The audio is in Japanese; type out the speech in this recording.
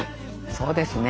そうですね。